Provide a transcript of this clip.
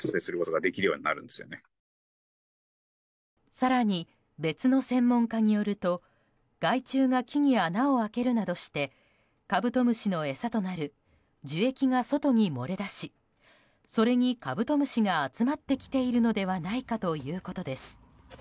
更に、別の専門家によると害虫が木に穴を開けるなどしてカブトムシの餌となる樹液が外に漏れ出しそれにカブトムシが集まってきているのではないかということです。